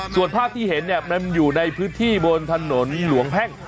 ส่วนภาพที่เห็นเนี่ยมันอยู่ในพื้นที่บนถนนหลวงแพ่ง